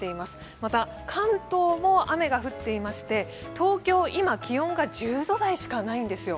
また関東も雨が降っていまして東京、今、気温が１０台しかないんですよ。